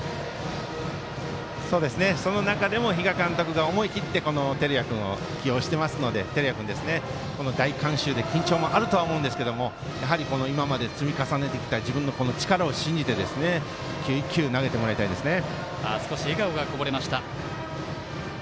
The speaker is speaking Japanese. その中でも比嘉監督が思い切って照屋君を起用していますので大観衆で緊張もあると思うんですけど今まで積み重ねてきた力を信じて一球一球投げてもらいたいですね。